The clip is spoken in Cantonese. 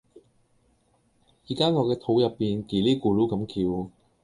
而家我嘅肚入邊 𠼻 咧咕嚕咁叫